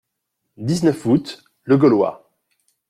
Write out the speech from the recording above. dix-neuf août., Le Gaulois.